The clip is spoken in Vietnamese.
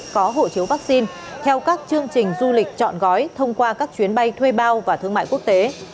có hộ chiếu vaccine theo các chương trình du lịch chọn gói thông qua các chuyến bay thuê bao và thương mại quốc tế